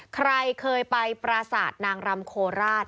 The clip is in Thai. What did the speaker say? ใครเคยไปปราสาทนางรำโคราช